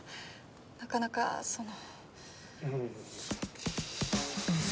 なかなかその。